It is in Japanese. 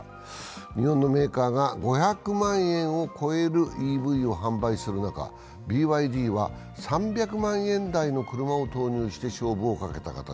日本のメーカーが５００万円を超えるＥＶを販売する中、ＢＹＤは３００万円台の車を投入して勝負をかけた形。